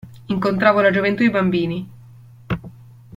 Incontravo la gioventù e i bambini.